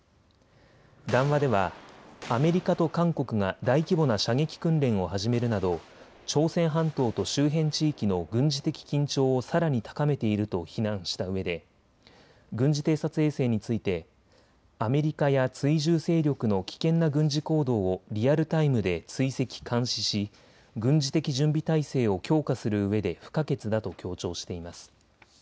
談話ではアメリカと韓国が大規模な射撃訓練を始めるなど朝鮮半島と周辺地域の軍事的緊張をさらに高めていると非難したうえで軍事偵察衛星についてアメリカや追従勢力の危険な軍事行動をリアルタイムで追跡・監視し軍事的準備態勢を強化するうえで不可欠だと強調しています。